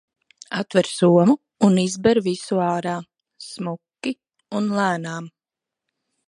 Atver somu un izber visu ārā, smuki un lēnām.